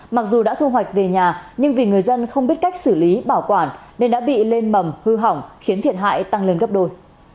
mặc dù đã thu hoạch về nhà nhưng vì người dân không biết cách xử lý bảo quản nên đã bị lên mầm hư hỏng khiến thiệt hại tăng lên gấp đôi